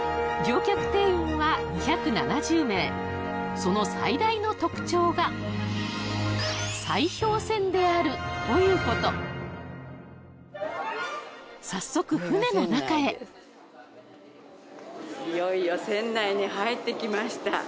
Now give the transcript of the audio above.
その最大の特徴が砕氷船であるということ早速船の中へいよいよ船内に入ってきました